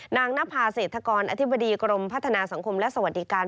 นางนภาษาเสธกรอธิบดีกรมพัฒนาสังคมและสวรรค์ดิการ